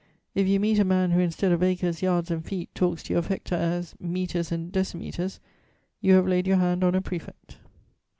If you meet a man who, instead of acres, yards and feet, talks to you of hectares, metres and decimetres, you have laid your hand on a prefect.